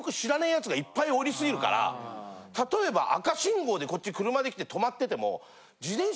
例えば赤信号でこっち車で来て停まってても。